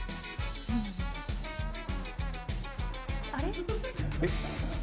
あれ？